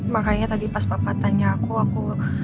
makanya tadi pas papa tanya aku aku